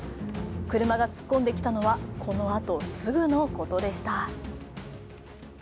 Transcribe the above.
車が突っ込んできたのはそのあとすぐのことでした。